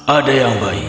ada yang baik